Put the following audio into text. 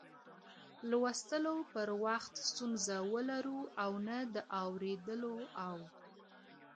لوستلو پر وخت ستونزه ولرو او نه د اوريدلو او